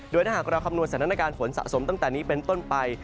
โดยถ้าหากเราคำนวณสถานการณ์ฝนสะสมตั้งแต่นี้เป็นต้นไป